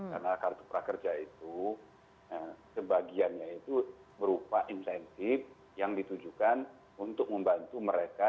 karena kartu prakerja itu sebagiannya itu berupa insentif yang ditujukan untuk membantu mereka